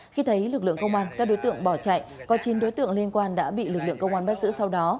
khi thấy lực lượng công an các đối tượng bỏ chạy có chín đối tượng liên quan đã bị lực lượng công an bắt giữ sau đó